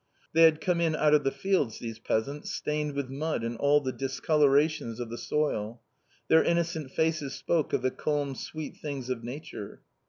They had come in out of the fields, these peasants, stained with mud and all the discolourations of the soil. Their innocent faces spoke of the calm sweet things of nature.